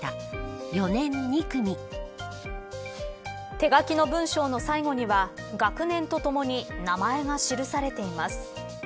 手書きの文章の最後には学年とともに名前が記されています。